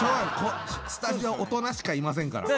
スタジオ大人しかいませんから。